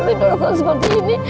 di dorongan seperti ini